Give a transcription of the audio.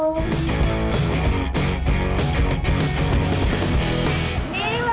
รกขยะนะคะทำกันกับมือ